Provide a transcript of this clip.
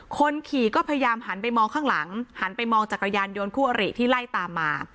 คนขี่ก็พยายามหันไปมองข้างหลังหันไปมองจักรยานยนต์คู่อริที่ไล่ตามมา